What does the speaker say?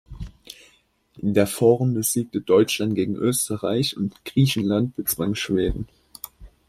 In der Vorrunde siegte Deutschland gegen Österreich und Griechenland bezwang Schweden.